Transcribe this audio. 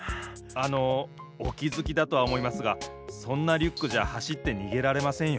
あのおきづきだとはおもいますがそんなリュックじゃはしってにげられませんよ。